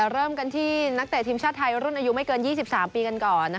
เริ่มกันที่นักเตะทีมชาติไทยรุ่นอายุไม่เกิน๒๓ปีกันก่อน